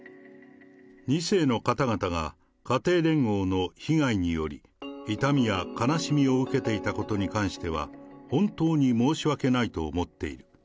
２世の方々が家庭連合の被害により、痛みや悲しみを受けていたことに関しては、本当に申し訳ないと思っている。